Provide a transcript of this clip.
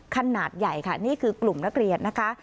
ขนาดใหญ่ค่ะนี่คือกลุ่มนักเรียนนะคะ